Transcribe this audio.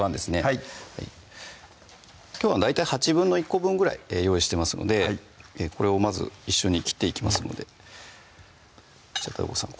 はいきょうは大体１／８個分ぐらい用意してますのでこれをまず一緒に切っていきますのでＤＡＩＧＯさん